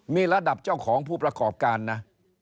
มีระดับเจ้าของผู้ประกอบการนะ